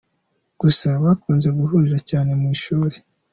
Gusa bakunze guhurira cyane mu ishuri.